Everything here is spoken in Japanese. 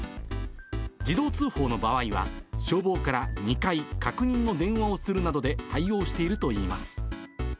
自動通報の場合は、消防から２回、確認の電話をするなどで対応しているといいます。